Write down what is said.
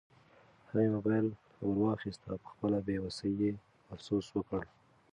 هغې موبایل ورواخیست او په خپله بې وسۍ یې افسوس وکړ.